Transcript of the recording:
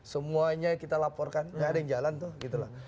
semuanya kita laporkan gak ada yang jalan tuh gitu loh